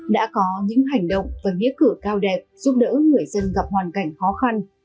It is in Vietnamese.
đã có những hành động và nghĩa cử cao đẹp giúp đỡ người dân gặp hoàn cảnh khó khăn